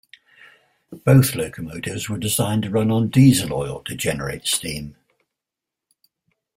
Both locomotives were designed to run on diesel oil to generate steam.